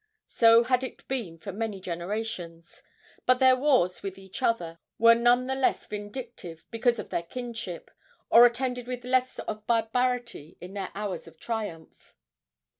So had it been for many generations. But their wars with each other were none the less vindictive because of their kinship, or attended with less of barbarity in their hours of triumph.